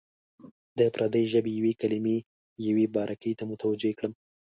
د پردۍ ژبې یوې کلمې یوې باریکۍ ته متوجه کړم.